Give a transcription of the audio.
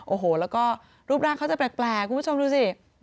โอ้โหแล้วก็รูปร่างเขาจะแปลกคุณผู้ชมดูสิ